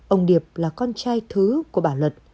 ông điệp là con trai thứ của bà luật